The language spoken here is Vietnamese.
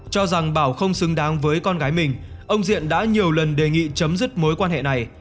cho rằng bảo không xứng đáng với con gái mình ông diện đã nhiều lần đề nghị chấm dứt mối quan hệ này